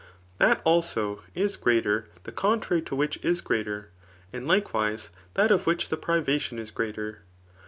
That, also, is greatei^ 4iw contrary to whicii is greater. And, likewise, Aatvi mbkh die privation is greater.